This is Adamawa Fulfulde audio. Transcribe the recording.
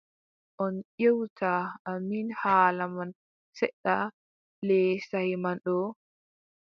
On ƴewta amin haala man seɗɗa lee saaye man ɗo ?